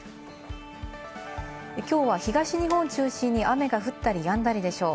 きょうは東日本を中心に雨が降ったり、やんだりでしょう。